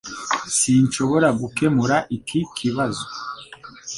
Sinshobora gukemura iki kibazo